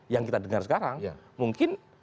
yang kita dengar sekarang mungkin